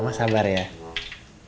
soalnya hal gue relaksian